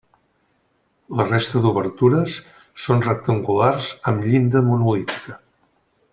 La resta d’obertures són rectangulars amb llinda monolítica.